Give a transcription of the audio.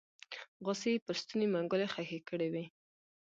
غصې يې پر ستوني منګولې خښې کړې وې